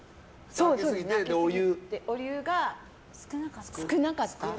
それで、お湯が少なかった。